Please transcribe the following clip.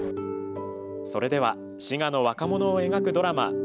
それでは滋賀の若者を描くドラマ